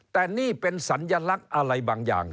แต่นี่เป็นสัญลักษณ์อะไรบางอย่าง